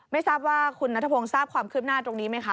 ไม่ทราบว่าคุณนัทพงศ์ทราบความคืบหน้าตรงนี้ไหมคะ